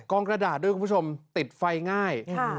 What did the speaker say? กระดาษด้วยคุณผู้ชมติดไฟง่าย